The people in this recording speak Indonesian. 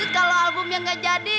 kalau albumnya gak jadi